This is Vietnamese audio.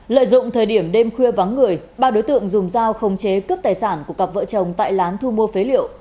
lợi dụng thời điểm đêm khuya vắng người ba đối tượng dùng dao không chế cướp tài sản của cặp vợ chồng tại lán thu mua phế liệu